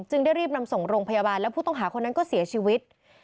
ได้รีบนำส่งโรงพยาบาลแล้วผู้ต้องหาคนนั้นก็เสียชีวิต